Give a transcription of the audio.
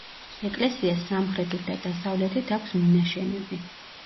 ეკლესიას სამხრეთით და დასავლეთით აქვს მინაშენები.